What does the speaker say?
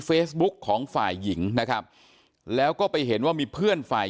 เฟซบุ๊กของฝ่ายหญิงนะครับแล้วก็ไปเห็นว่ามีเพื่อนฝ่าย